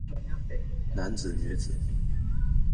男子女子